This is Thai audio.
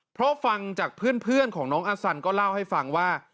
เพราะฟังจากเพื่อนของน้องอาสันก็เล่าให้ฟังว่า